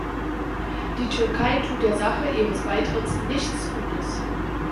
Die Türkei tut der Sache ihres Beitritts nichts Gutes.